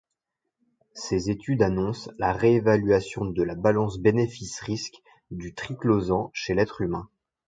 Ces études annoncent la réévaluation de la balance bénéfice-risque du triclosan chez l'être humain.